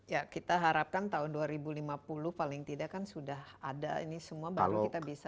ya kita harapkan tahun dua ribu lima puluh paling tidak kan sudah ada ini semua baru kita bisa